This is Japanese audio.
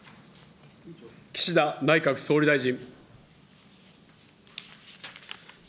岸田内閣総理大臣。